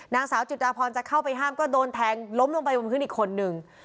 นางสาวจิตาพรจะเข้าไปห้ามก็โดนแทงล้มลงไปบนพื้นอีกคนนึง